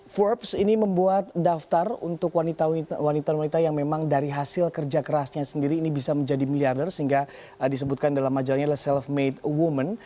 forbes ini membuat daftar untuk wanita wanita yang memang dari hasil kerja kerasnya sendiri ini bisa menjadi miliarder sehingga disebutkan dalam majalahnya the self made women